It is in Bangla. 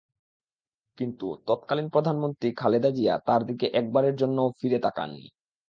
কিন্তু তৎকালীন প্রধানমন্ত্রী খালেদা জিয়া তাদের দিকে একবারের জন্যও ফিরে তাকাননি।